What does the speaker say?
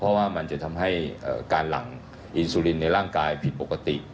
เพราะว่ามันจะทำให้การหลังอีซูลินในร่างกายผิดปกติ